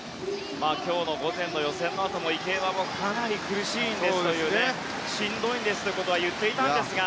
今日の午前の予選のあとも池江は、かなり苦しいんですしんどいんですということは言っていたんですが。